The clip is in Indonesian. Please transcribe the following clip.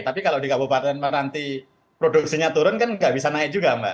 tapi kalau di kabupaten nanti produksinya turun kan nggak bisa naik juga mbak